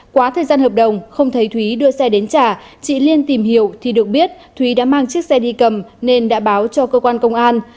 quá thời gian hợp đồng không thấy thúy đưa xe đến trả chị liên tìm hiểu thì được biết thúy đã mang chiếc xe đi cầm nên đã báo cho cơ quan công an